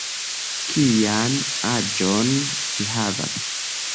Kian aĝon vi havas?